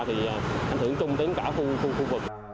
thì ảnh hưởng chung đến cả khu vực